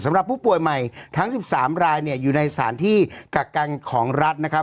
สำหรับผู้ป่วยใหม่ทั้ง๑๓รายเนี่ยอยู่ในสถานที่กักกันของรัฐนะครับ